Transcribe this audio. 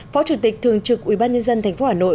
phó chủ tịch thường trực ubnd tp hà nội